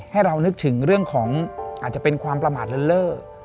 ให้เรานึกถึงเรื่องของอาจจะเป็นความประมาทเลิศ